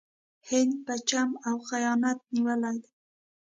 هند په چم او خیانت نیولی دی.